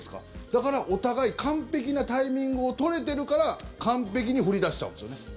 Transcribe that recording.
だから、お互い完璧なタイミングを取れてるから完璧に振り出しちゃうんですよね。